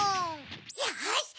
よし！